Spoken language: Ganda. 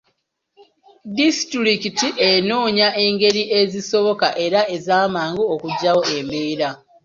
Disitulikiti enoonya engeri ezisoboka era ez'amangu okugyawo embeera.